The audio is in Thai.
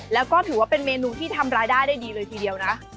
แล้วก็ถือว่าเป็นเมนูที่ทำรายได้ได้ดีเลยทีเดียวนะ